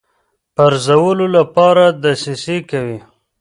پرزولو لپاره دسیسې کوي.